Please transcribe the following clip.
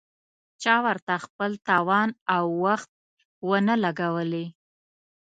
چا ورته خپل توان او وخت ونه لګولې.